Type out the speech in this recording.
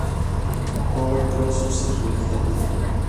Power Pro Success Legends